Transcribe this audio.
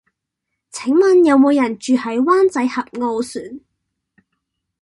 請問有無人住喺灣仔峽傲璇